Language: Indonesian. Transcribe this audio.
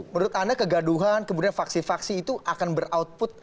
menurut anda kegaduhan kemudian faksi faksi itu akan beroutput